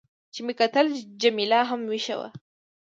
چې مې کتل، جميله هم وېښه وه.